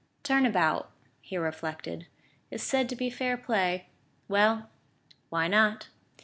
"Turn about," he reflected, "is said to be fair play.... Well, why not?"